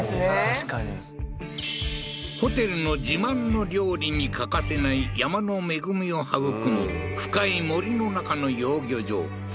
確かにホテルの自慢の料理に欠かせない山の恵みを育む深い森の中の養魚場